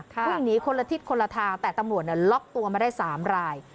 วิ่งหนีคนละทิศคนละทางแต่ตำรวจล็อกตัวมาได้๓ราย